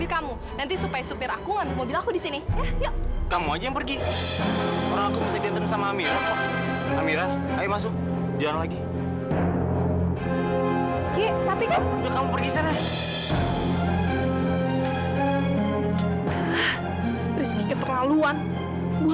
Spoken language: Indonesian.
sampai jumpa di video selanjutnya